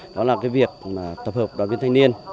đó là việc tập hợp đoàn viên thanh niên